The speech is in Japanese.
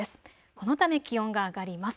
このため気温が上がります。